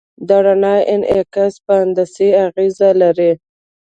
د رڼا انعکاس په هندسه اغېز لري.